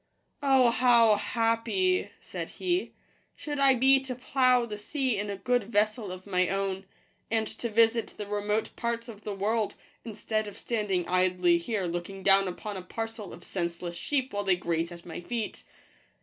" Oh, how happy," said he, " should I be to plough the sea in a good vessel of my own, and to visit the remote parts of the world, instead of standing idly here looking down upon a parcel of senseless sheep while they graze at my feet.